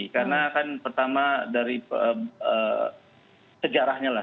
karena kan pertama dari sejarahnya lah